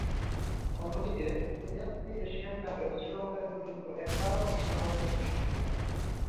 অন্যদিকে, AFC Asian কাপেও শ্রীলঙ্কা এপর্যন্ত একবারও অংশগ্রহণ করতে সক্ষম হয়নি।